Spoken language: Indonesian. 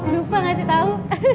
lupa ngasih tau